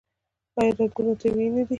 آیا رنګونه یې طبیعي نه دي؟